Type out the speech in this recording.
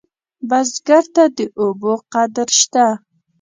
بزګر ته د اوبو قدر شته